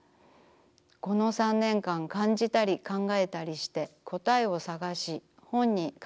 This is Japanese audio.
この３年間感じたり考えたりしてこたえを探し本に書いてきました。